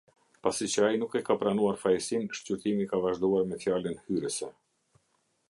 Pasi që ai nuk e ka pranuar fajësinë, shqyrtimi ka vazhduar me fjalën hyrëse.